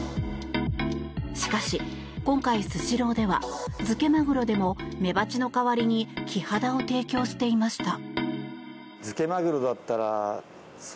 しかし、今回スシローでは漬けマグロでもメバチの代わりにキハダを提供していました。